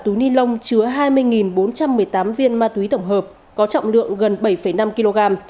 một túi ni lông chứa hai mươi bốn trăm một mươi tám viên ma túy tổng hợp có trọng lượng gần bảy năm kg